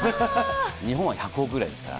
日本は１００億ぐらいですから。